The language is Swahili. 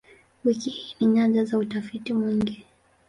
Wiki ni nyanja za utafiti mwingi.